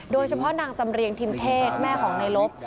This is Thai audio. โดยเฉพาะนางจำเรียงทิมเทศแม่ของในลบ